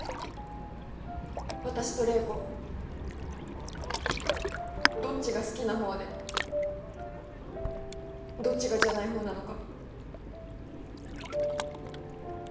私と怜子どっちが好きな方でどっちがじゃない方なのか。